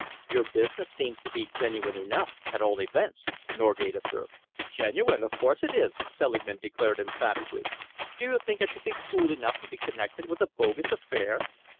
"Your business seems to be genuine enough, at all events," Norgate observed. "Genuine? Of course it is!" Selingman declared emphatically. "Do you think I should be fool enough to be connected with a bogus affair?